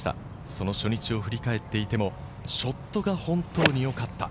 その初日を振り返ってみても、ショットが本当によかった。